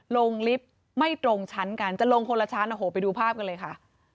ลิฟต์ไม่ตรงชั้นกันจะลงคนละชั้นโอ้โหไปดูภาพกันเลยค่ะ